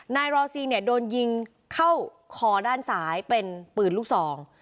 นายรอซีเนี่ยโดนยิงเข้าคอด้านซ้ายเป็นปืนลูกซอง